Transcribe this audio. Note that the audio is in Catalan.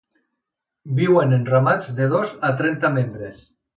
Viuen en ramats de dos a trenta membres.